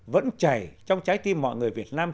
vẫn chảy trong trái tim mọi người việt nam